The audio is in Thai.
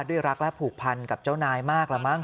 ด้วยรักและผูกพันกับเจ้านายมากละมั